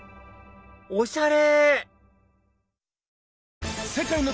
おしゃれ！